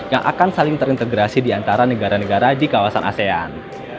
yang akan saling terintegrasi di antara negara negara di kawasan asean